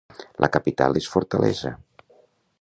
La capital és Fortaleza.